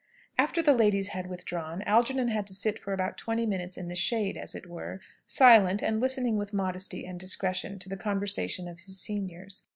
After the ladies had withdrawn, Algernon had to sit for about twenty minutes in the shade, as it were, silent, and listening with modesty and discretion to the conversation of his seniors.